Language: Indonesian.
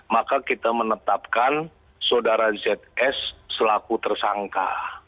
maka kita menetapkan saudara zs selaku tersangka